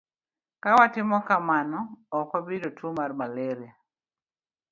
Ka watimo kamano, ok wabi yudo tuo mar malaria.